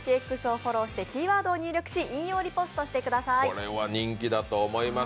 これは人気だと思います。